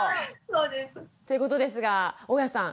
そうです。ということですが大矢さん